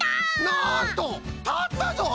なんとたったぞい！